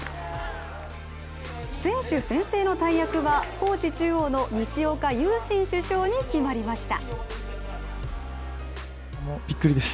選手宣誓の大役は、高知中央の西岡悠慎主将に決まりました。